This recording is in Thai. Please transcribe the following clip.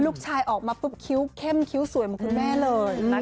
ลุกชายที่เพียงออกมาคิ้วเข้มสวยเหมือนคุณแม่เลย